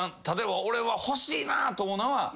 例えば俺は欲しいなと思うのは。